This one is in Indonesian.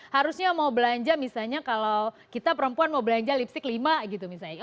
harusnya mau belanja misalnya kalau kita perempuan mau belanja lipstick lima gitu misalnya